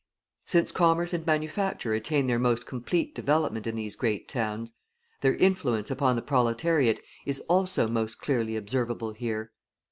Since commerce and manufacture attain their most complete development in these great towns, their influence upon the proletariat is also most clearly observable here.